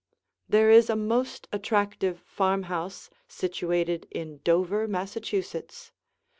There is a most attractive farmhouse situated in Dover, Massachusetts.